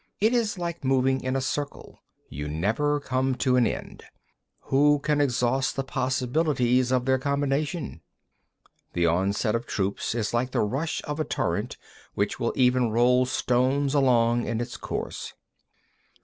It is like moving in a circle—you never come to an end. Who can exhaust the possibilities of their combination? 12. The onset of troops is like the rush of a torrent which will even roll stones along in its course.